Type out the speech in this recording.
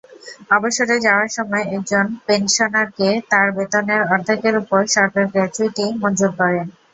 অবসরে যাওয়ার সময় একজন পেনশনারকে তাঁর বেতনের অর্ধেকের ওপর সরকার গ্র্যাচুইটি মঞ্জুর করে।